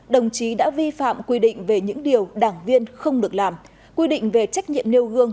đồng chí đã vi phạm quy định về những điều đảng viên không được làm quy định về trách nhiệm nêu gương